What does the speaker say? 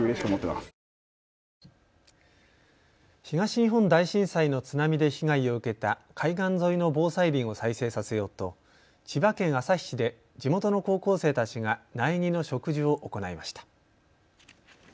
東日本大震災の津波で被害を受けた海岸沿いの防災林を再生させようと千葉県旭市で地元の高校生たちが苗木の植樹を行いました。